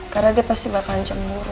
karena dia pasti bakalan cemburu